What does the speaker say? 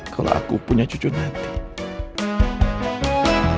kalau aku punya cucu nanti